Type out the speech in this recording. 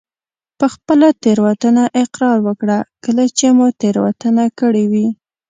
په خپله تېروتنه اقرار وکړه کله چې مو تېروتنه کړي وي.